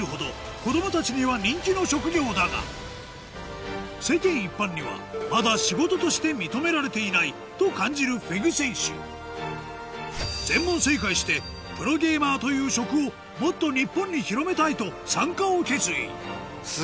子供たちには人気の職業だが世間一般にはまだと感じるふぇぐ選手全問正解してプロゲーマーという職をもっと日本に広めたいと参加を決意